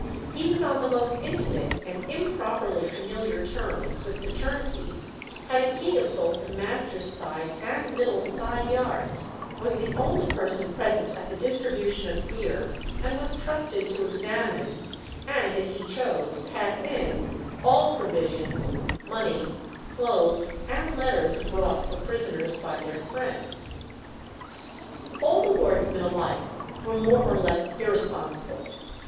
He was on the most intimate and improperly familiar terms with the turnkeys, had a key of both the master's side and middle side yards, was the only person present at the distribution of beer, and was trusted to examine, and, if he chose, pass in, all provisions, money, clothes, and letters brought for prisoners by their friends. All the wardsmen alike were more or less irresponsible.